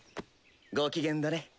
ご機嫌だね。